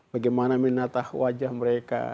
bagaimana menatah wajah mereka